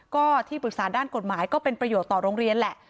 ก็ที่ปรึกษาด้านกฎหมายก็เป็นประโยชน์ต่อโรงเรียนแหละ